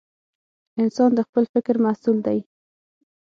انسان د خپل فکر محصول دی.